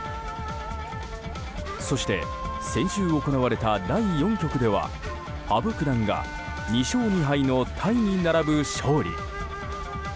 そして先週行われた第４局では羽生九段が２勝２敗のタイに並ぶ勝利。